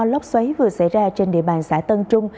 lốc xoáy vừa xảy ra trên địa bàn xã tân trung